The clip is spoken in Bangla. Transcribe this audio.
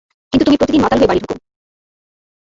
কিন্তু তুমি প্রতিদিন মাতাল হয়ে বাড়ি ঢোকো।